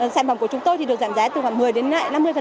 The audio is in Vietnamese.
sản phẩm của chúng tôi được giảm giá từ khoảng một mươi đến lại năm mươi